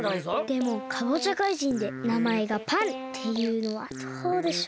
でもかぼちゃかいじんでなまえがパンっていうのはどうでしょう？